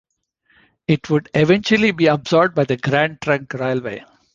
It would eventually be absorbed by the Grand Trunk Railway.